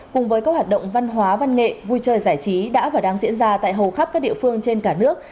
cùng với các hoạt động văn hóa văn nghệ vui chơi giải trí đã và đang diễn ra tại hầu khắp các địa phương trên cả nước